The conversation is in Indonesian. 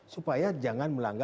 supaya jangan melanggar